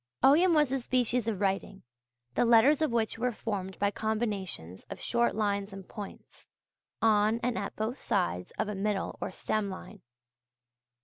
Ogham was a species of writing, the letters of which were formed by combinations of short lines and points, on and at both sides of a middle or stem line.